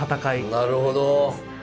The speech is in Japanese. なるほど。